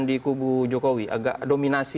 di kubu jokowi agak dominasi